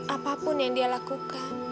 apapun yang dia lakukan